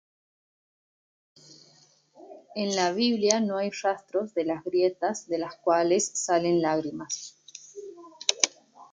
En la Biblia no hay rastro de las grietas de las cuales salen lágrimas.